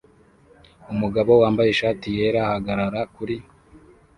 Umugabo wambaye ishati yera ahagarara kuri